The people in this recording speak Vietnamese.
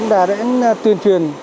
đã đến tuyên truyền